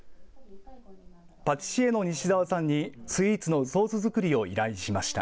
パティシエの西澤さんにスイーツのソース作りを依頼しました。